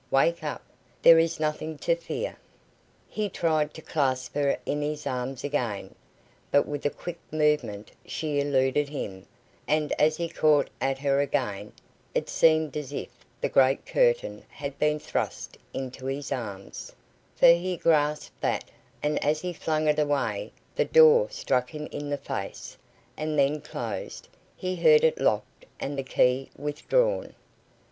Wake up. There is nothing to fear." He tried to clasp her in his arms again, but with a quick movement she eluded him, and as he caught at her again, it seemed as if the great curtain had been thrust into his arms, for he grasped that, and as he flung it away, the door struck him in the face, and then closed, he heard it locked, and the key withdrawn.